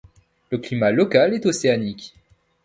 Le climat local est océanique.